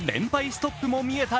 ストップもみえた